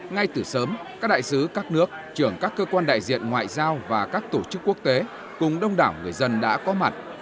ngay từ sớm các đại sứ các nước trưởng các cơ quan đại diện ngoại giao và các tổ chức quốc tế cùng đông đảo người dân đã có mặt